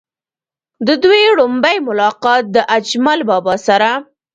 د دوي وړومبے ملاقات د اجمل بابا سره